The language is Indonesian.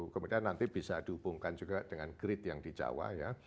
kemudian nanti bisa dihubungkan juga dengan grid yang di jawa ya